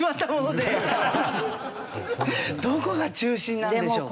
どこが中心なんでしょうか？